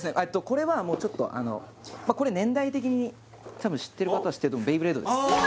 これはもうちょっとあのこれ年代的に多分知ってる方は知ってると思うベイブレードねああ